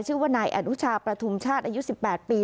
ชื่อว่านายอนุชาประทุมชาติอายุ๑๘ปี